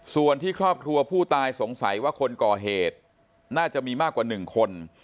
ส่วนที่ครอบครัวผู้ตายสงสัยว่าคนก่อเหตุน่าจะมีมากกว่า๑คน